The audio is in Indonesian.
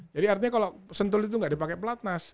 jadi artinya kalau sentul itu tidak dipakai pelatnas